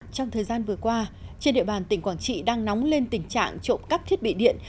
trong thời gian vừa qua trên địa bàn tỉnh quảng trị đang nóng lên tình trạng trộm cắp thiết bị điện